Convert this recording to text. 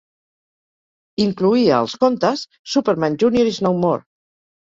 Incloïa els contes "Superman Junior Is No More!"